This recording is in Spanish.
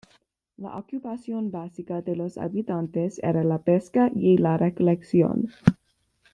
La ocupación básica de los habitantes era la pesca y la recolección.